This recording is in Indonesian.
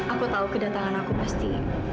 aku tahu kedatangan aku pasti